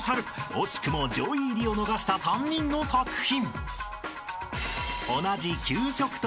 ［惜しくも上位入りを逃した３人の作品］